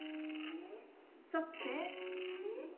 そって。